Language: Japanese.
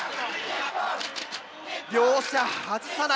両者外さない。